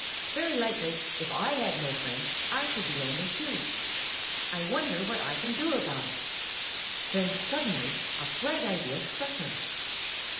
Very likely if I had no friends I should be lonely too. I wonder what I can do about it." Then suddenly a bright idea struck him.